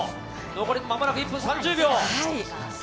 残り、まもなく１分３０秒！